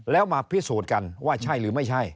แล้วมาพิสูจน์กันว่าใช่หรือไม่ใช่